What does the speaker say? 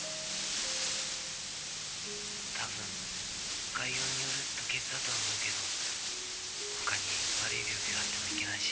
☎多分潰瘍による吐血だとは思うけどほかに悪い病気があってもいけないし。